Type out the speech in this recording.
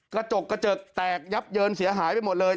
กระจกกระเจิกแตกยับเยินเสียหายไปหมดเลย